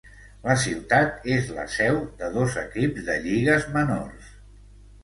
La ciutat és la seu de dos equips de lligues menors.